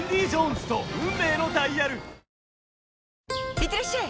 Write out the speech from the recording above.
いってらっしゃい！